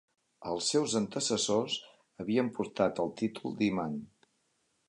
Els seus antecessors havien portat el títol d'imam.